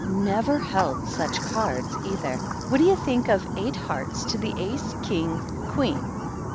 "Never held such cards, either. What do you think of eight hearts to the Ace, King, Queen